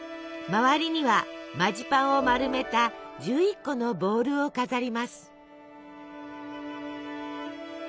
周りにはマジパンを丸めた１１個のボールを飾ります。